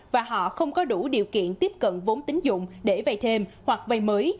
và họ không có đủ điều kiện tiếp cận vốn tính dụng để vay thêm hoặc vây mới